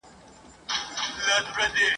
عدالت به موږ له کومه ځایه غواړو ..